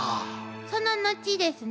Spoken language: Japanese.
その後ですね